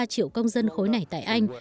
ba triệu công dân khối nảy tại anh